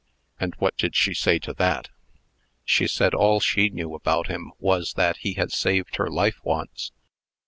"And what did she say to that?" "She said all she knew about him was, that he had saved her life once.